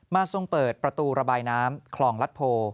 ทรงเปิดประตูระบายน้ำคลองรัฐโพ